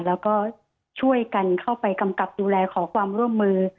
แล้วก็ช่วยกันเข้าไปกำกับดูแลขอความร่วมมือ